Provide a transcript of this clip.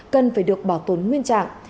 cần phải được bảo tồn nguyên trạng